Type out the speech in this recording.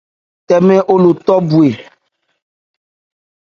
Tɛmɛ Alɔ otɔ bhwe.